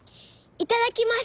「いただきます」。